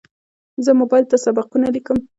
زه موبایل ته سبقونه لیکم.